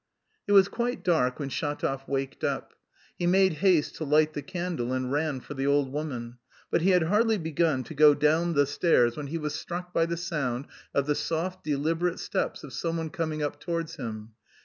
It was quite dark when Shatov waked up. He made haste to light the candle and ran for the old woman; but he had hardly begun to go down the stairs when he was struck by the sound of the soft, deliberate steps of someone coming up towards him.